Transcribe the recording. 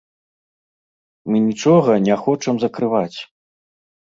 Мы нічога не хочам закрываць.